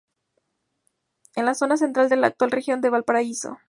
En la zona central de la actual Región de Valparaíso.